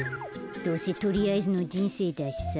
どうせとりあえずのじんせいだしさ。